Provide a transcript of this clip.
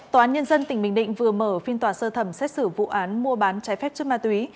tòa án nhân dân tỉnh bình định vừa mở phiên tòa sơ thẩm xét xử vụ án mua bán trái phép chất ma túy